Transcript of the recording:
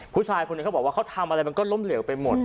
ผู้ชายคนหนึ่งเขาบอกว่าเขาทำอะไรมันก็ล้มเหลวไปหมด